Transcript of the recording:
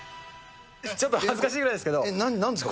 ちょっと恥ずかしいぐらいでなんですか？